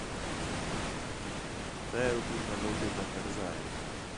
تو تاں لوکین تا قرضہ ہِے